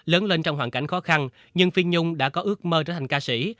lớn lên trong hoàn cảnh khó khăn nhưng phi nhung đã có ước mơ trở thành ca sĩ